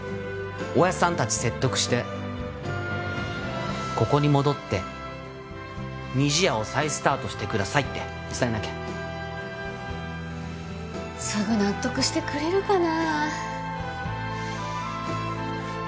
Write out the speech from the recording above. おやっさん達説得してここに戻ってにじやを再スタートしてくださいって伝えなきゃすぐ納得してくれるかな